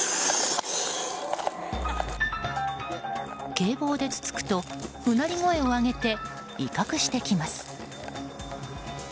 警棒でつつくとうなり声を上げて威嚇してきます。